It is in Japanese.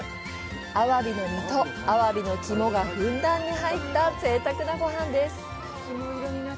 アワビの身とアワビの肝がふんだんに入ったぜいたくなごはんです！